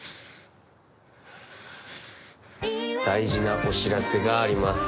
大事なお知らせがあります。